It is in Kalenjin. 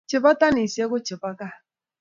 Chebo tanisiek ak chebo gaa